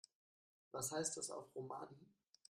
Was heißt das auf Romani?